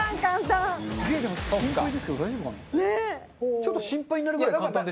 ちょっと心配になるぐらい簡単でしたよ。